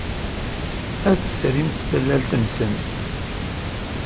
Ad tesrimt tallalt-nsen.